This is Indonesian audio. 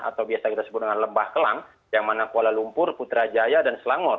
atau biasa kita sebut dengan lembah kelang yang mana kuala lumpur putrajaya dan selangor